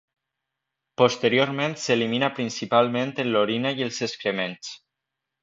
Posteriorment s'elimina principalment en l'orina i els excrements.